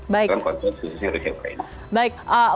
dalam konteks khususnya rusia ukraina